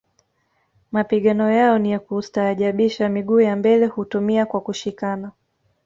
Mapigano yao ni ya kustaajabisha miguu ya mbele hutumia kwa kushikana